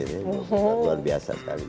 itu luar biasa sekali